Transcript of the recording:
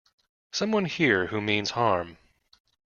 Some one here who means harm!